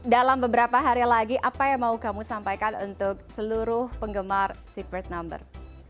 dalam beberapa hari lagi apa yang mau kamu sampaikan untuk seluruh penggemar secret number